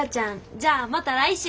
じゃあまた来週。